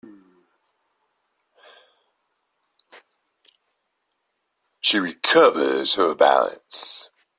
She recovers her balance.